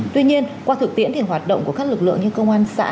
tuy nhiên qua thực tiễn thì hoạt động của các lực lượng như cơ quan xã